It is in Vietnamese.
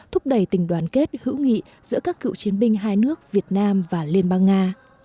thúc đẩy tình đoàn kết hữu nghị giữa các cựu chiến binh hai nước việt nam và liên bang nga